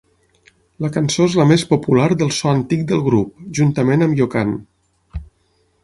La cançó és la més popular del so antic del grup, juntament amb Yokan.